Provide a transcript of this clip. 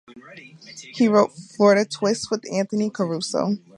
He wrote "Florida Twist" with Anthony Caruso.